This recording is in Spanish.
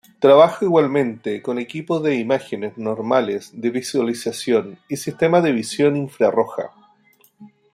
Trabaja igualmente con equipos de imágenes normales de visualización y sistemas de visión infrarroja.